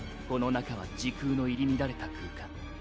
この中は時空の入り乱れた空間。